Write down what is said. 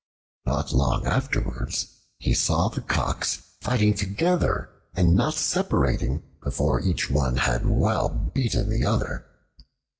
Not long afterwards he saw the Cocks fighting together and not separating before one had well beaten the other.